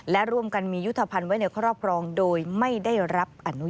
พาอาวุธไปในเมืองหมู่บ้านหรือทางสาธารณะโดยไม่มีเหตุอันควร